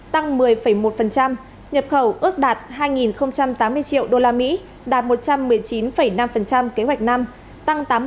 trong đó xuất khẩu được ước đạt chín trăm tám mươi triệu usd tăng một mươi một nhập khẩu ước đạt hai tám mươi triệu usd đạt một trăm một mươi chín năm kế hoạch năm tăng tám mươi một tám mươi bốn một